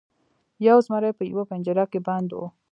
یو زمری په یوه پنجره کې بند و.